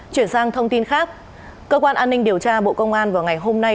chuyển sang thông tin khác cơ quan an ninh điều tra bộ công an vào ngày hôm nay